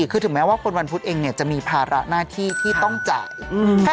คือถึงแม้ว่าคนวันพุธเองจะมีภาระหน้าที่ที่ต้องจ่าย